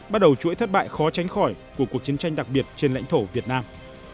bắt đầu chuỗi thất bại khó tránh khỏi của cuộc chiến tranh đặc biệt trên lãnh thổ việt nam